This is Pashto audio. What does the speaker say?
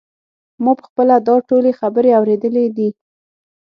ما په خپله دا ټولې خبرې اورېدلې دي.